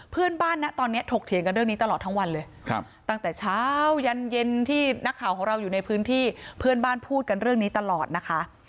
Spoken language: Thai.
เพื่อนบ้านนะตอนนี้ถกเถียงกันเรื่องนี้ตลอดทั้งวันเลยตั้งแต่เช้ายันเย็นที่นักข่าวของเราอยู่ในพื้นที่เพื่อนบ้านพูดกันเรื่องนี้ตลอดนะคะ